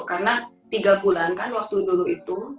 karena tiga bulan kan waktu dulu itu